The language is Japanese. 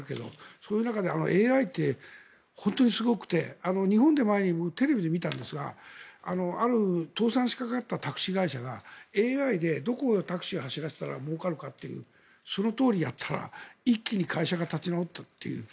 そういう中でＡＩって本当にすごくて日本でも前、テレビで見たんですがある倒産しかかったタクシー会社がＡＩでどこをタクシーを走らせたらもうかるかというそのとおりにやったら一気に会社が立ち直ったっていう。